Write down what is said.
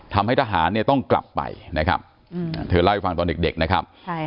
ทำให้ทหารเนี่ยต้องกลับไปนะครับเธอเล่าให้ฟังตอนเด็กนะครับ